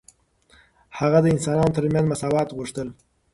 هغه د انسانانو ترمنځ مساوات غوښتل.